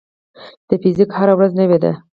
د فزیک هره ورځ نوې ده.